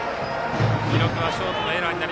記録はショートのエラー。